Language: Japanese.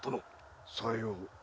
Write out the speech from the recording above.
さよう。